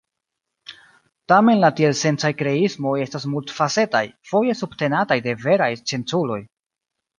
Tamen la tielsencaj kreismoj estas multfacetaj, foje subtenataj de veraj scienculoj.